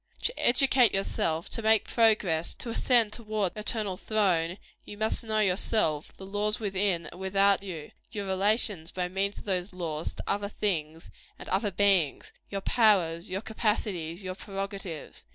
To educate yourself to make progress to ascend toward the Eternal Throne, you must know yourself the laws within and without you your relations, by means of those laws, to other things and other beings your powers, your capacities, your prerogatives.